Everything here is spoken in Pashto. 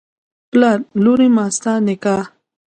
پلار: لورې ماستا نکاح